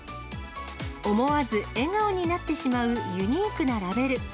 思わず笑顔になってしまうユニークなラベル。